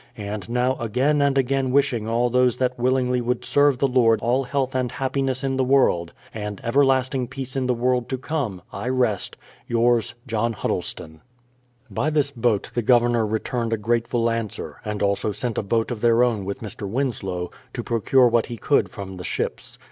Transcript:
And now, again and again wishing all those that willingly THE PLYMOUTH SETTLEMP^NT 107 would serve the Lord all health and happiness in the world, and everlasting peace in the world to come, I rest, Yours, JOHN HUDDLESTON. By this boat the Governor returned a grateful answer, and also sent a boat of their own with Mr. Winslow, to procure what he could from the ships.